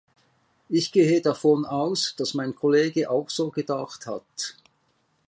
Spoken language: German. Ich gehe davon aus, dass mein Kollege auch so gedacht hat.